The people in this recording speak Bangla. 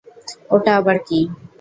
ওটা আবার কি?